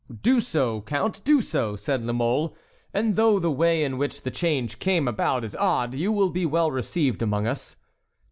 "Do so, count, do so," said La Mole, "and though the way in which the change came about is odd, you will be well received among us."